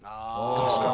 確かに。